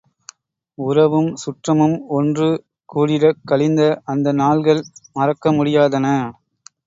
உறவும் சுற்றமும் ஒன்று கூடிடக் கழிந்த அந்த நாள்கள், மறக்க முடியாதன.